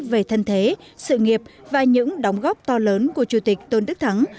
về thân thế sự nghiệp và những đóng góp to lớn của chủ tịch tôn đức thắng